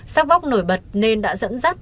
sắc vóc nổi bật nên đã dẫn dắt